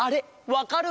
わかる！？